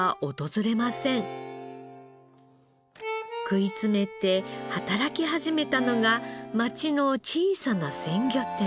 食い詰めて働き始めたのが街の小さな鮮魚店。